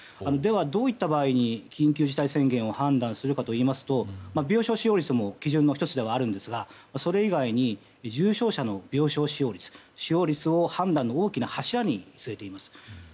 では、どういった場合に緊急事態宣言を判断するかといいますと病床使用率も基準の１つですがそれ以外に重症者の病床使用率を判断を大きな柱に据えています。